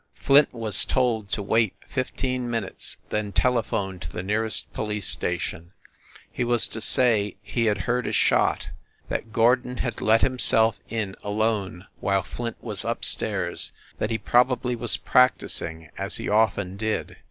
Flint was told to wait fifteen minutes, then tele phone to the nearest police station. ... He was to s ay he had heard a shot ... that Gor don had let himself in alone while Flint was up stairs ... that he probably was practising, as he often did.